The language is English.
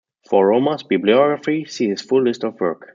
For Rohmer's bibliography, see his full list of work.